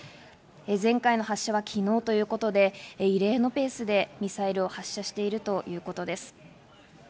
前回の発射は昨日ということで異例のペースでミサイルを発射しているということです。